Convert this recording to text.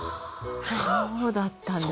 はあそうだったんですか。